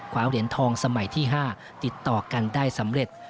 เหรียญทองสมัยที่๕ติดต่อกันได้สำเร็จ